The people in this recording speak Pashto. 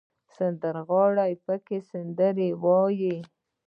سندرغاړي پکې سندرې وايي.